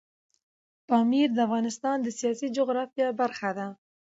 پامیر د افغانستان د سیاسي جغرافیه برخه ده.